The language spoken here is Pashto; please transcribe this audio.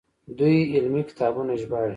دوی علمي کتابونه ژباړي.